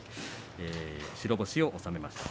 白星を収めました。